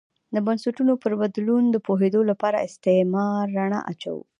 د بنسټونو پر بدلون پوهېدو لپاره پر استعمار رڼا اچوو.